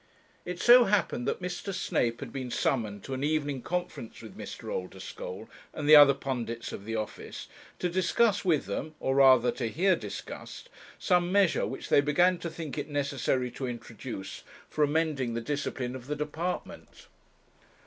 It so happened that Mr. Snape had been summoned to an evening conference with Mr. Oldeschole and the other pundits of the office, to discuss with them, or rather to hear discussed, some measure which they began to think it necessary to introduce, for amending the discipline of the department.